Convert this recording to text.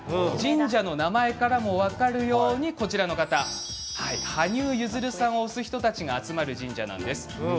神社の名前からも分かるように羽生結弦さんを推す人たちが集まる神社なんです。